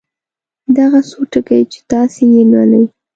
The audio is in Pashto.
دغه څو ټکي چې تاسې یې لولئ.